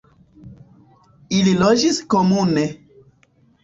Ili loĝis komune.